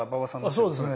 そうですね。